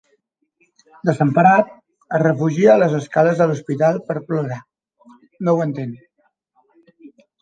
Desemparat, es refugia a les escales de l'hospital per plorar: no ho entén.